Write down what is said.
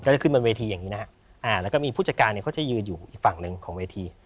จะขึ้นบนเวทีอย่างนี้นะฮะแล้วก็มีผู้จัดการเนี่ยเขาจะยืนอยู่อีกฝั่งหนึ่งของเวที